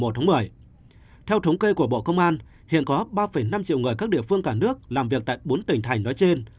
theo thống kê của bộ công an hiện có ba năm triệu người các địa phương cả nước làm việc tại bốn tỉnh thành nói trên